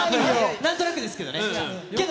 なんとなくですけどね。